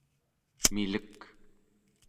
milek